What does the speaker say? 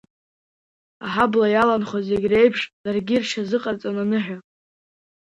Аҳабла иаланхо зегь реиԥш даргьы рҽазыҟарҵон аныҳәа.